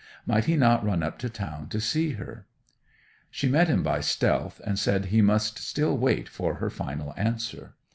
Might he not run up to town to see her? She met him by stealth, and said he must still wait for her final answer.